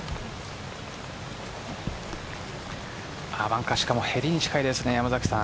バンカーしかもへりに近いですね。